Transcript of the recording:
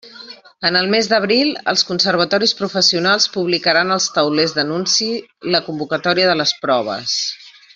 En el mes d'abril, els conservatoris professionals publicaran als taulers d'anuncis la convocatòria de les proves.